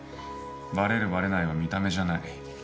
バレるバレないは見た目じゃない。